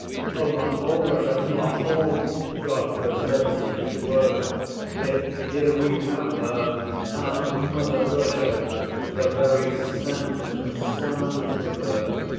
Oh, not all Russia, not all! God preserve us, if it were! Yet, here we have her, our mother Russia, the very scent and sound of her.